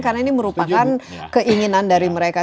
karena ini merupakan keinginan dari mereka